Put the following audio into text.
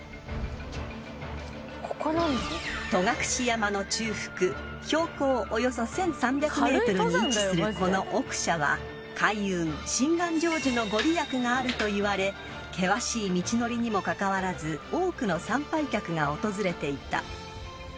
［戸隠山の中腹標高およそ１，３００ｍに位置するこの奥社は開運心願成就の御利益があるといわれ険しい道のりにもかかわらず多くの参拝客が訪れていた］